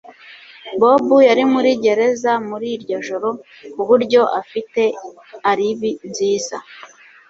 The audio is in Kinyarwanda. Bobo yari muri gereza muri iryo joro kuburyo afite alibi nziza